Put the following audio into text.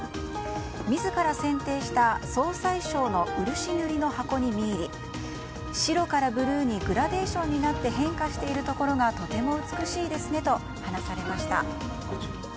自ら選定した総裁賞の漆塗りの箱に見入り白からブルーにグラデーションになって変化しているところがとても美しいですねと話されました。